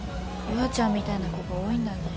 優愛ちゃんみたいな子が多いんだね。